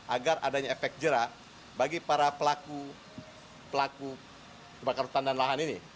agar adanya efek jerak bagi para pelaku kebakaran hutan dan lahan ini